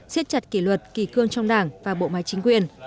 xiết chặt kỷ luật kỳ cương trong đảng và bộ máy chính quyền